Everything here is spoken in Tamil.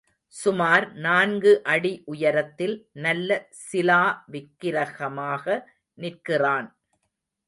சுமார் நான்கு அடி உயரத்தில் நல்ல சிலா விக்கிரகமாக நிற்கிறான்.